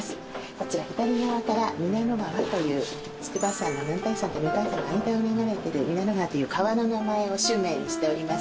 こちら左側から男女川という筑波山の男体山と女体山の間を流れてる男女川という川の名前を酒名にしております。